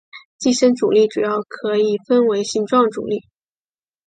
寄生阻力主要可以分为形状阻力。